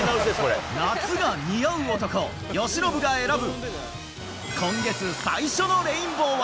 夏が似合う男、由伸が選ぶ、今月最初のレインボーは。